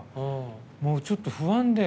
もう、ちょっと不安で。